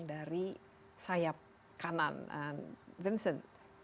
dan salah satu tantangan